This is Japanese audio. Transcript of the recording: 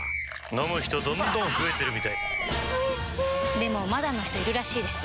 飲む人どんどん増えてるみたいおいしでもまだの人いるらしいですよ